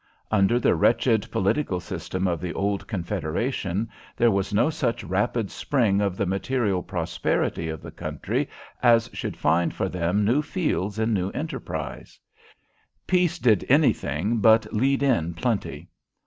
Under the wretched political system of the old Confederation there was no such rapid spring of the material prosperity of the country as should find for them new fields in new enterprise. Peace did any thing but lead in Plenty.